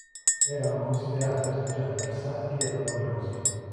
Erano considerati artigiani versatili e laboriosi.